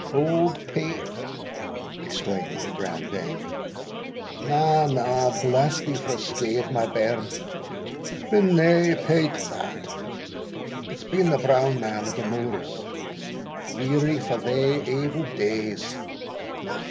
"Auld Peght!" exclaimed the grand dame; "na, na bless thee frae scathe, my bairn, it's been nae Peght that it's been the Brown Man of the Moors! O weary fa' thae evil days!